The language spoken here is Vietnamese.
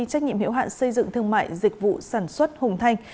trách nhiệm hiệu hạn xây dựng thương mại dịch vụ sản xuất hùng thanh